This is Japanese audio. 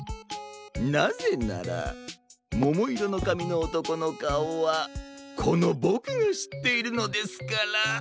なぜならももいろのかみのおとこのかおはこのボクがしっているのですから。